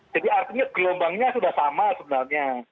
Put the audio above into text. jadi artinya gelombangnya sudah sama sebenarnya